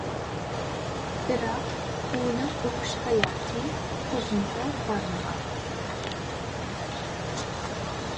بىراق، ئۇنىڭ ئوقۇش ھاياتى ئۇزۇنغا بارمىغان.